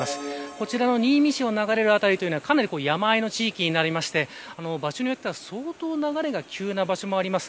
こちらの新見市を流れる辺りは山合の地域になりまして場所によっては相当流れが急な場所もあります。